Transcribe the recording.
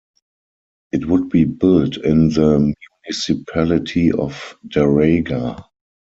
It would be built in the municipality of Daraga.